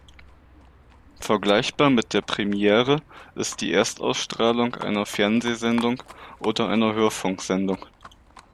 Vergleichbar mit der Premiere ist die Erstausstrahlung einer Fernsehsendung oder einer Hörfunksendung.